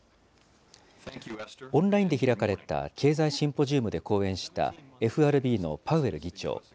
オンラインで開かれた経済シンポジウムで講演したＦＲＢのパウエル議長。